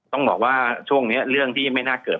ต้องบอกว่าช่วงนี้เรื่องที่ไม่น่าเกิด